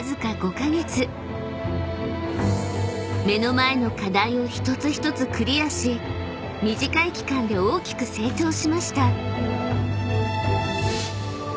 ［目の前の課題を一つ一つクリアし短い期間で大きく成長しました］